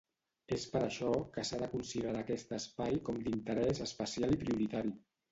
És per això que s'ha de considerar aquest espai com d'interès especial i prioritari.